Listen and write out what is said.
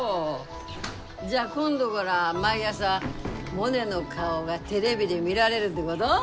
じゃあ今度がら毎朝モネの顔がテレビで見られるってごど？